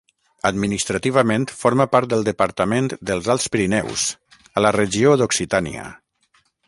Administrativament forma part del departament dels Alts Pirineus, a la regió d'Occitània.